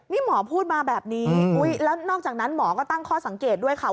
นี่หมอพูดมาแบบนี้แล้วนอกจากนั้นหมอก็ตั้งข้อสังเกตด้วยค่ะ